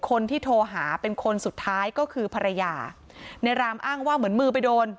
คนที่โทรหาเป็นคนสุดท้ายก็คือภรรยาในรามอ้างว่าเหมือนมือไปโดน